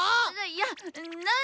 ⁉いやっない。